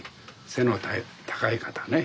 背の高い方ね